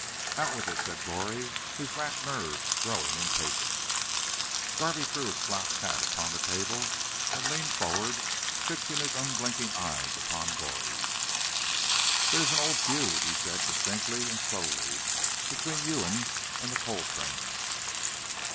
'" "Out with it," said Goree, his racked nerves growing impatient. Garvey threw his slouch hat upon the table, and leaned forward, fixing his unblinking eyes upon Goree's. "There's a old feud," he said distinctly and slowly, "'tween you 'uns and the Coltranes."